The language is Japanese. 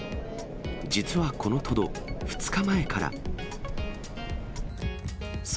実はこのトド、２日前から。